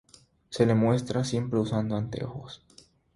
Se la muestra siempre usando anteojos.